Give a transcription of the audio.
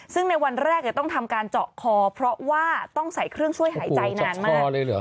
ซึ่งในวันแรกต้องทำการเจาะคอเพราะว่าต้องใส่เครื่องช่วยหายใจนานมาก